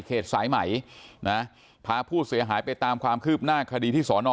สายไหมนะพาผู้เสียหายไปตามความคืบหน้าคดีที่สอนอ